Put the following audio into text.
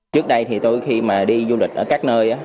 trước đây thì tôi khi mà đi du lịch ở các nơi